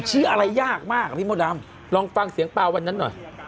ชื่ออะไรยากมากพี่มดดำลองฟังเสียงปลาวันนั้นหน่อย